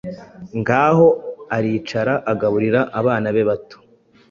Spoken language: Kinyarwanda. Ngaho aricara agaburira abana be bato,